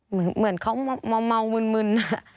เหมือนเขาเมามึน